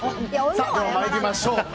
さあ、まいりましょう。